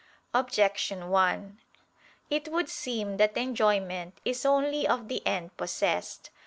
Objection 1: It would seem that enjoyment is only of the end possessed.